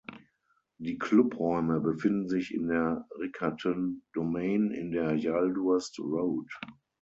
Die Clubräume befinden sich in der Riccarton Domain in der Yaldhurst Road.